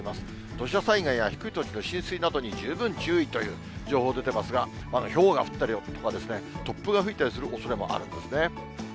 土砂災害や低い土地の浸水などに十分注意という情報出てますが、まだひょうが降ったりとかですね、突風が吹いたりするおそれもあるんですね。